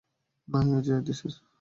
এই জয় এই দেশের।